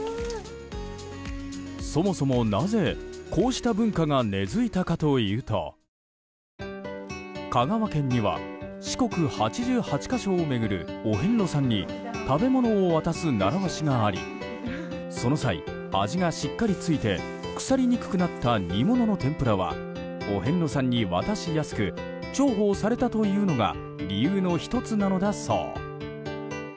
そもそも、なぜこうした文化が根付いたかというと香川県には四国八十八箇所を巡るお遍路さんに食べ物を渡す習わしがありその際、味がしっかりついて腐りにくくなった煮物の天ぷらはお遍路さんに渡しやすく重宝されたというのが理由の１つなのだそう。